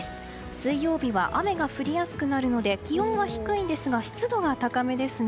水曜日は雨が降りやすくなるので気温は低いんですが湿度は高めですね。